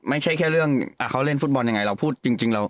ไม่ใช่แค่เรื่องเขาเล่นฟุตบอลยังไง